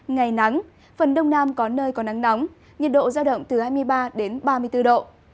ngày nắng phần đông nam có nơi có nắng nóng nhiệt độ giao động từ hai mươi ba đến ba mươi bốn độ